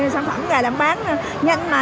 sản phẩm này làm bán nhanh mà